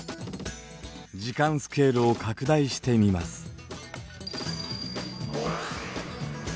時間スケールを拡大してみます。